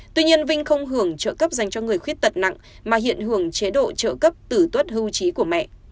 tuy nhiên vinh không hưởng trợ cấp dành cho người khuyết tật nặng mà hiện hưởng chế độ trợ cấp tử tuất hưu trí của mẹ